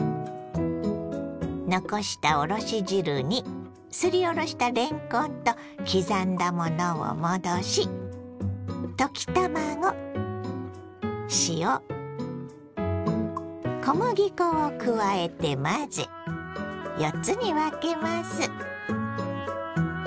残したおろし汁にすりおろしたれんこんと刻んだものを戻しを加えて混ぜ４つに分けます。